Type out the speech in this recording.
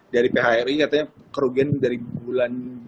dari phri katanya kerugian dari bulan